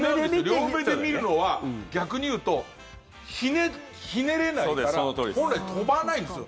両目で見るのは、逆に言うとひねれないから本来、飛ばないんですよ。